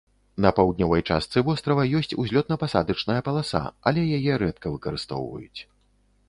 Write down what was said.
На паўднёвай частцы вострава ёсць узлётна-пасадачная паласа, але яе рэдка выкарыстоўваюць.